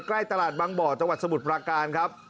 ใกล้ตลาดบางบ่อจังหวัดสมุทรปราการครับ